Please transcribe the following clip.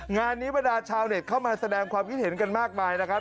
งานนี้บรรดาชาวเน็ตเข้ามาแสดงความคิดเห็นกันมากมายนะครับ